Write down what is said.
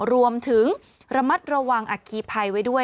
รวมถึงระมัดระวังอัคคีภัยไว้ด้วย